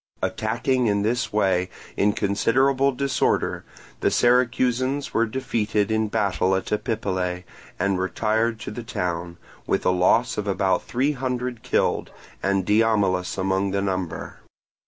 Attacking in this way in considerable disorder, the Syracusans were defeated in battle at Epipolae and retired to the town, with a loss of about three hundred killed, and Diomilus among the number.